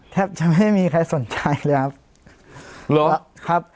แทบจะไม่มีใครสนใจเลยครับ